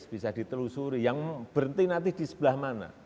bisa ditelusuri yang berhenti nanti di sebelah mana